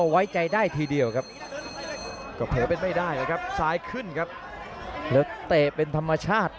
แล้วตไตเป็นธรรมชาติ